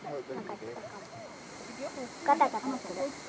ガタガタする。